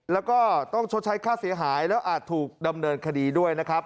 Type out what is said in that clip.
แล้วก็ต้องชดใช้ค่าเสียหายแล้วอาจถูกดำเนินคดีด้วยนะครับ